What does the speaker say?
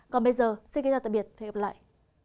còn bây giờ xin kính chào tạm biệt và hẹn gặp lại